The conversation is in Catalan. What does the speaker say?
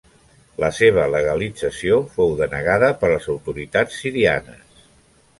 La seva legalització fou denegada per les autoritats sirianes.